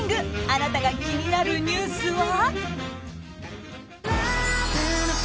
あなたが気になるニュースは？